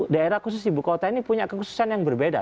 daerah khusus ibu kota ini punya kekhususan yang berbeda